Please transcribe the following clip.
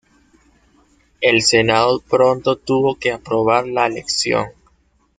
El Senado pronto tuvo que aprobar la elección.